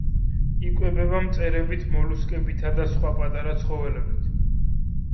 იკვებება მწერებით, მოლუსკებითა და სხვა პატარა ცხოველებით.